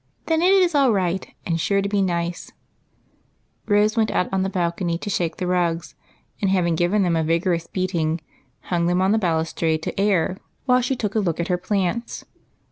" Then it is all right, and sure to be nice." 94 EIGHT COUSINS. Rose went out on the balcony to shake the rugs, and, having given them a vigorous beating, hung them on the balustrade to air, while she took a look at her plants.